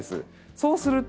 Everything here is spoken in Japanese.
そうすると。